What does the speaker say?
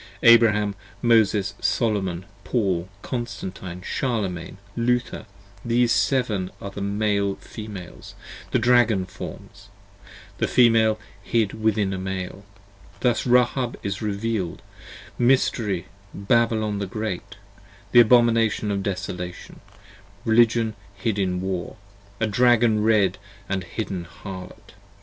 Abraham, Moses, Solomon, Paul, Constantine, Charlemaine, Luther, these Seven are the Male Females: the Dragon Forms: The Female hid within a Male : thus Rahab is reveal'd, Mystery, Babylon the Great: the Abomination of Desolation : 20 Religion hid in War: a Dragon red & hidden Harlot.